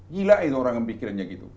gila itu orang yang mikirnya gitu